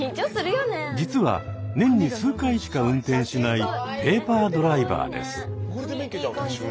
実は年に数回しか運転しないペーパードライバーです。